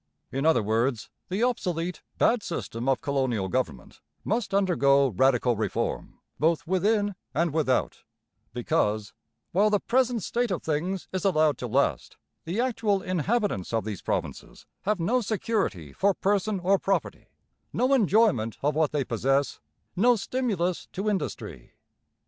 In other words, the obsolete, bad system of colonial government must undergo radical reform, both within and without, because 'while the present state of things is allowed to last, the actual inhabitants of these provinces have no security for person or property, no enjoyment of what they possess, no stimulus to industry.'